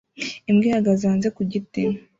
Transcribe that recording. Imbwa ihagaze hanze ku giti